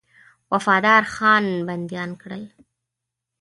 وفادارخان بنديان کړل.